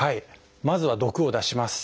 まずは毒を出します。